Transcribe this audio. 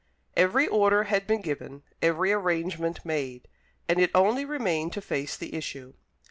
Every order had been given, every arrangement made, and it only remained to face the issue.